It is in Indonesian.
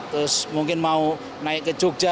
terus mungkin mau naik ke jogja